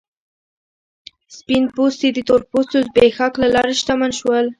سپین پوستي د تور پوستو زبېښاک له لارې شتمن شول.